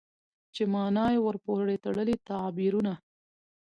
چې مانا يې ورپورې تړلي تعبيرونه